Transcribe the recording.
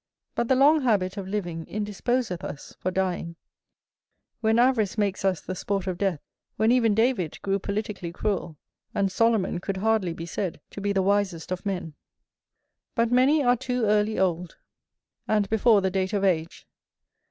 But the long habit of living indisposeth us for dying; when avarice makes us the sport of death, when even David grew politickly cruel, and Solomon could hardly be said to be the wisest of men. But many are too early old, and before the date of age.